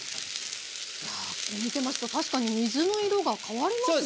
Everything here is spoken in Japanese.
見てますと確かに水の色が変わりますね。